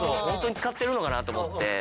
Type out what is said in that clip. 本当に使ってるのかなと思って。